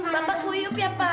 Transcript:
bapak kuyuk ya pak